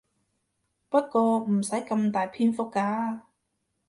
不過唔使咁大篇幅㗎